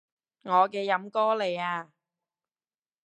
我嘅飲歌嚟啊